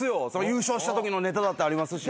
優勝したときのネタだってありますし。